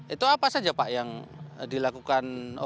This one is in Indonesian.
itu apa saja pak yang dilakukan